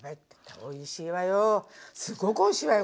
おいしいわよ